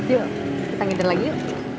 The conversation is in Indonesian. yuk kita ngintir lagi yuk